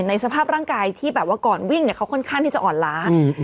ในสภาพร่างกายที่ก่อนวิ่งเขาค่อนข้างที่จะอ่อนล้าง